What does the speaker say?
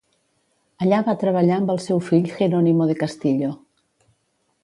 Allà va treballar amb el seu fill Jerónimo de Castillo.